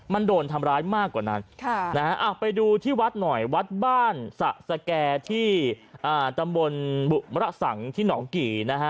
มันโดนทำร้ายมากกว่านั้นไปดูที่วัดหน่อยวัดบ้านสะสแก่ที่ตำบลบุมระสังที่หนองกี่นะฮะ